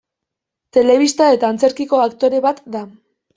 Telebista eta antzerkiko aktore bat da.